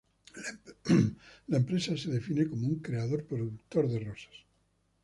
La empresa se define como un "creador-productor de rosas.